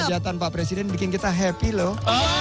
kejahatan pak presiden bikin kita happy loh